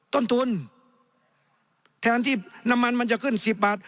ต้นทุนแทนที่น้ำมันมันจะขึ้น๑๐บาท